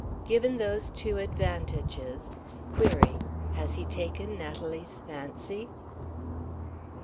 Given those two advantages Query: Has he taken Natalie's fancy?"